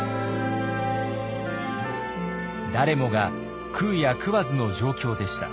誰もが食うや食わずの状況でした。